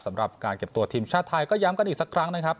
สำหรับการเก็บตัวทีมชาติไทยก็ย้ำกันอีกสักครั้งนะครับ